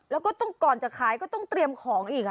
แล้วก็ต้องก่อนจะขายก็ต้องเตรียมของอีก